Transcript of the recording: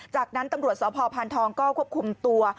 จากนั้นตำรวจสพพานทองก็ควบคุมตัว